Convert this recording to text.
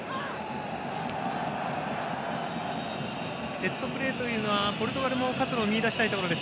セットプレーというのはポルトガルも数を見いだしたいところです。